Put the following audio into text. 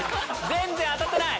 全然当たってない！